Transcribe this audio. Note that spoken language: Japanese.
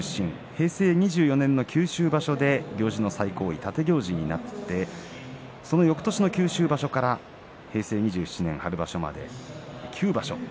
平成２４年の九州場所で行事の最高位である立行司になってそのよくとしの九州場所から平成２７年春場所まで９場所